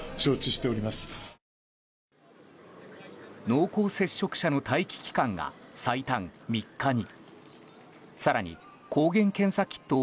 濃厚接触者の待機期間が最短３日に。